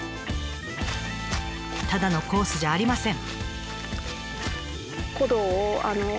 ただのコースじゃありません。